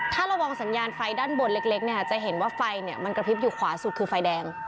ถ้าระวังสัญญาณไฟด้านบนเล็กเนี่ยจะเห็นว่าไฟมันกระพริบอยู่ขวาสุดคือไฟแดง